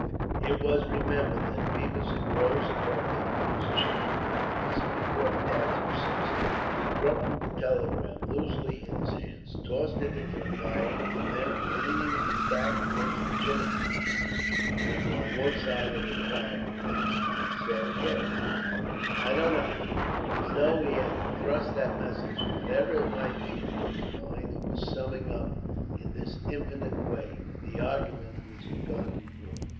It was remembered that Feversham rose abruptly from his chair, just before the tattoo ceased. He crumpled the telegram loosely in his hands, tossed it into the fire, and then, leaning his back against the chimney piece and upon one side of the fireplace, said again: "I don't know;" as though he had thrust that message, whatever it might be, from his mind, and was summing up in this indefinite way the argument which had gone before.